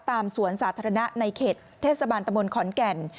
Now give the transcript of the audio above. สวนสาธารณะในเขตเทศบาลตะมนต์ขอนแก่น